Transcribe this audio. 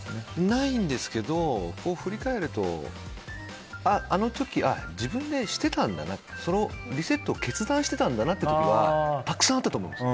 ないんですけど振り返るとあの時、自分でしてたんだなリセットを決断してたんだなっていう時はたくさんあったと思うんです。